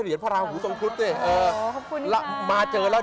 สีพึ่งมหาเสน่ห์